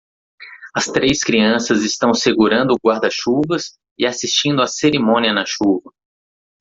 As três crianças estão segurando guarda-chuvas e assistindo a cerimônia na chuva.